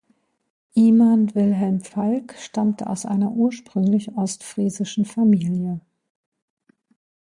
Iman Wilhelm Falck stammte aus einer ursprünglich ostfriesischen Familie.